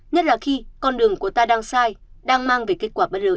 nhất là khi con đường của ta đang sai đang mang về kết quả bất ngờ